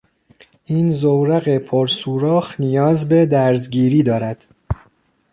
این زورق پر سوراخ نیاز به درزگیری دارد.